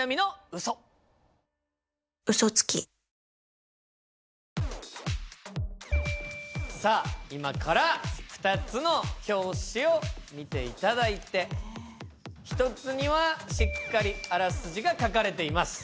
嘘つきさあ今から２つの表紙を見ていただいて１つにはしっかりあらすじが書かれています。